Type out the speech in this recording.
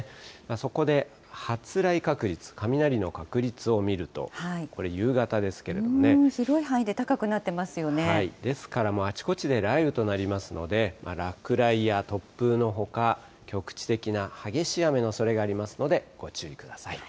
そこで発雷確率、雷の確率を見る広い範囲で高くなっていますですからあちこちで雷雨となりますので、落雷や突風のほか、局地的な激しい雨のおそれがありますので、ご注意ください。